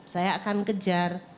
saya akan kejar